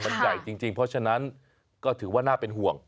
มันใหญ่จริงเพราะฉะนั้นก็ถือว่าน่าเป็นห่วง